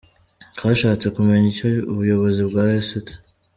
Twashatse kumenya icyo ubuyobozi bwa St.